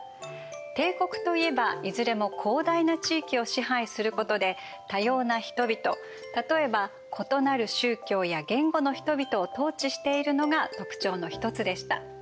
帝国といえばいずれも広大な地域を支配することで多様な人々例えば異なる宗教や言語の人々を統治しているのが特徴の一つでした。